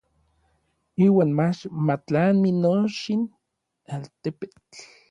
Iuan mach ma tlami nochin altepetl.